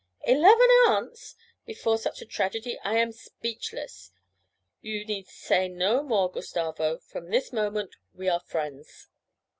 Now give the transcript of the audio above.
'Eleven aunts! Before such a tragedy I am speechless; you need say no more, Gustavo, from this moment we are friends.'